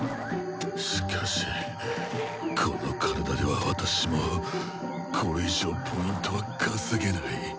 しかしこの体では私もこれ以上Ｐは稼げない。